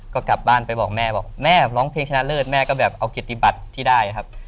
ก็กลับบ้านไปบอกแม่บอกแม่ร้องเพลงชนะเลิศแม่ก็แบบเอาเกียรติบัติที่ได้ครับ